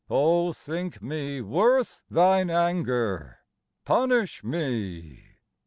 O thinke mee worth thine anger, punish mee.